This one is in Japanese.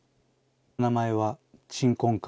名前は「鎮魂歌」